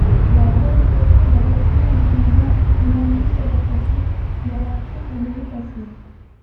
Pour la réalisation d'un bâtiment utilisant l'énergie solaire passive, voir l'article maison passive.